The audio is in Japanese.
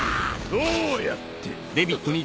どうやって？